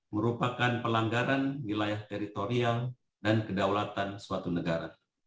merupakan pelanggaran wilayah teritorial dan kedaulatan suatu negara